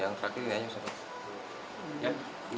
yang terakhir ini aja pak